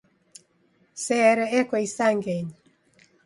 Sere eko isangenyi.